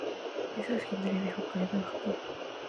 Es originaria de Hokkaido en Japón.